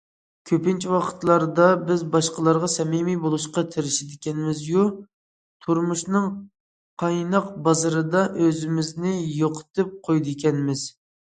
كۆپىنچە ۋاقىتلاردا بىز باشقىلارغا سەمىمىي بولۇشقا تىرىشىدىكەنمىز- يۇ، تۇرمۇشنىڭ قايناق بازىرىدا ئۆزىمىزنى يوقىتىپ قويىدىكەنمىز.